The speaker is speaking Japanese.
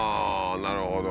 なるほど。